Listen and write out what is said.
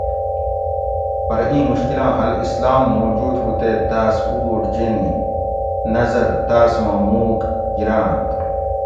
پرہ اِیں مشکلاں حل اسلام موجود ہوتے تاۤس اُبوٹ جینی نظر تاۤس ما مُوک گِراۤنت ؟